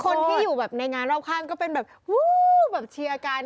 คนที่อยู่แบบในงานรอบข้างก็เป็นแบบวู้แบบเชียร์กัน